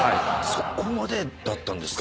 そこまでだったんですか。